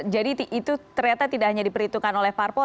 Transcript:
jadi itu ternyata tidak hanya diperhitungkan oleh farpol